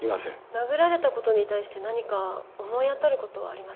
殴られたことに対して何か思い当たることは？